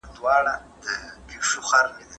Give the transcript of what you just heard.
کله باید د ورځنیو اندېښنو د هېرولو لپاره کډه وتړو؟